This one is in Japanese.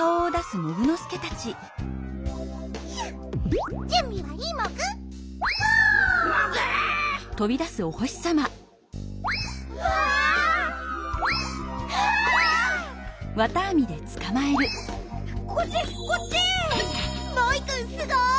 モイくんすごい！